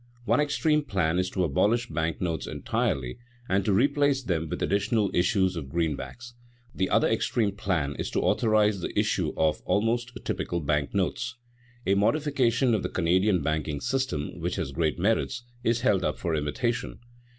One extreme plan is to abolish bank notes entirely and to replace them with additional issues of greenbacks; the other extreme plan is to authorize the issue of almost typical bank notes. A modification of the Canadian banking system, which has great merits, is held up for imitation.